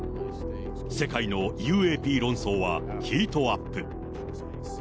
世界のＵＡＰ論争はヒートアップ。